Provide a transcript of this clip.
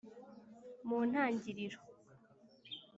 Mu ntangiriro